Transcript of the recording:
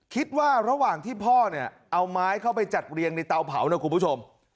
คิดว่าระหว่างที่พ่อเนี่ยเอาไม้เข้าไปจัดเรียงในเตาเผานะคุณผู้ชม